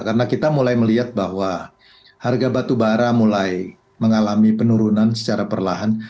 karena kita mulai melihat bahwa harga batu bara mulai mengalami penurunan secara perlahan